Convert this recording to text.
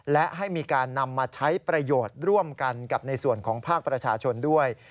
และให้มีการนำมาใช้ประโยชน์ร่วมกันกับในส่วนของภาคประชาชนด้วย